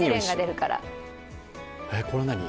えっ、これ何？